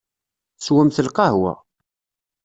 Swemt lqahwa.